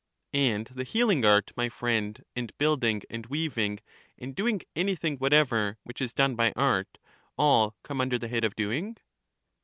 And the healing art, my friend, and building, and weaving, and doing anything whatever which is done by art, all come under the head of doing?